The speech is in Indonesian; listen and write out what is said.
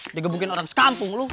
ngegebukin orang sekampung lu